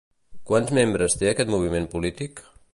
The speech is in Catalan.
Quants membres té aquest moviment polític?